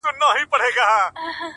o درته خبره كوم.